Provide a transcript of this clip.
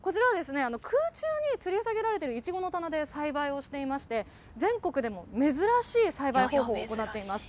こちらはですね、空中につり下げられているいちごの棚で栽培をしていまして、全国でも珍しい栽培方法を行っています。